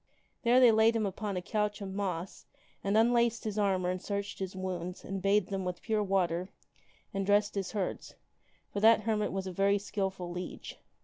There they laid him upon a couch of moss and unlaced hermit. his armor and searched his wounds and bathed them with pure water and dressed his hurts, for that hermit was a very skilful leech.